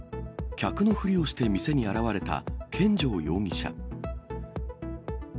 客のふりをして店に現れた見城容疑者。